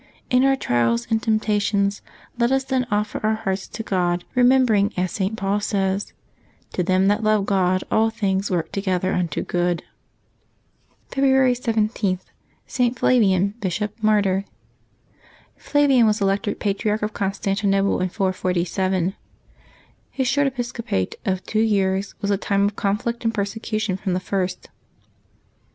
In our trials and temptations let us then offer our hearts to God, remembering, as St. Paul says, " To them that love God all things work together unto good." February 17. ST. FLAVIAN, Bishop, Martyr. HLAVIAN" was elected Patriarch of Constantinople in 447. His short episcopate of two years was a time of conflict and persecution from the first.